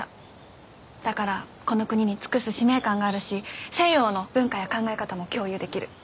だからこの国に尽くす使命感があるし西洋の文化や考え方も共有できる。